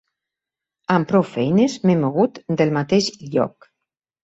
Amb prou feines m'he mogut del mateix lloc